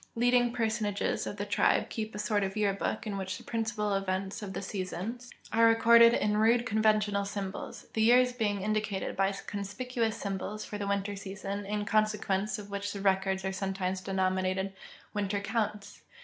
Leading personages of the tribe keep a sort of year book in Avhich the principal events of the seasons BURE A V OF AMERICAN ETHNOLOGY IN 1S95 7<> are recorded in rude conventional s^unbols, the years being indi cated by conspicuous symbols for the winter season, in conse cpienceof which the records are sometimes denominated " winter counts."